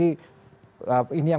ini yang menyenangkan